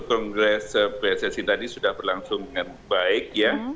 kongres pssi tadi sudah berlangsung dengan baik ya